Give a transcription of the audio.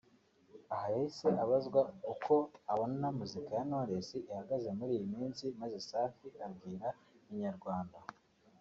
Aha yahise abazwa uko abona muzika ya Knowless ihagaze muri iyi minsi maze Safi abwira Inyarwanda